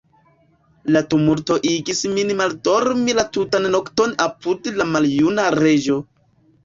La tumulto igis min maldormi la tutan nokton apud la maljuna Reĝo.